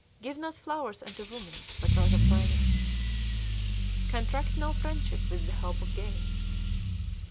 Give not flowers unto women, but rather prayers. Contract no friendship with the hope of gain.